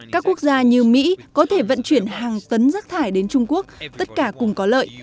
các quốc gia như mỹ có thể vận chuyển hàng tấn rác thải đến trung quốc tất cả cùng có lợi